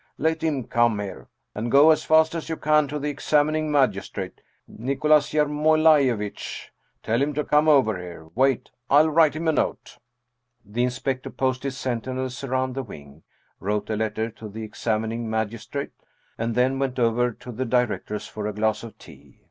Let him come here! And go as fast as you can to the ex amining magistrate, Nicholas Yermolaiyevitch. Tell him to come over here! Wait; I'll write him a note! " The inspector posted sentinels around the wing, wrote a letter to the examining magistrate, and then went over to the director's for a glass of tea.